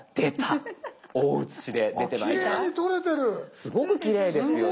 すごくきれいですよね。